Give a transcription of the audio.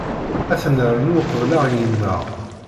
Ad t-nernu uqebl ad ɣ-yennaɣ.